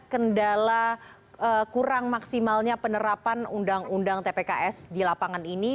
kendala kurang maksimalnya penerapan undang undang tpks di lapangan ini